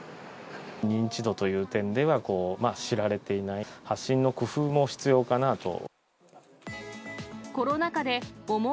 認知度という点では、知られていない、発信の工夫も必要かなと。